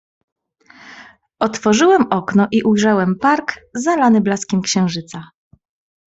"Otworzyłem okno i ujrzałem park, zalany blaskiem księżyca."